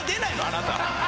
あなた。